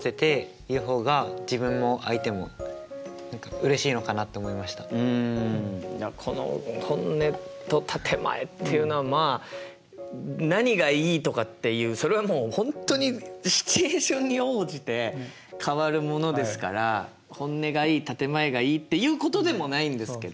それよりうんいやこの本音と建て前っていうのはまあ何がいいとかっていうそれはもう本当にシチュエーションに応じて変わるものですから本音がいい建て前がいいっていうことでもないんですけど。